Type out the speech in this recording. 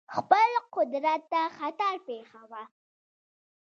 خپل قدرت ته خطر پېښاوه.